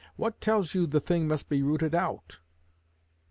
What tells you the thing must be rooted out?'